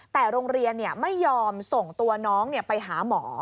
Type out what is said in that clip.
แต่โรงเรียนไม่ยอมส่งตัวน้องไปหาหมอ